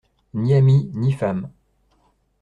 Ni ami, ni femme.